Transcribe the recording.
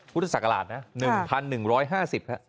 พุทธศักราช๑๑๕๐ครับ